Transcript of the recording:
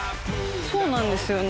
そうなんですよね。